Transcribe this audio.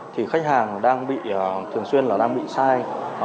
thì khách hàng thường xuyên đang bị sai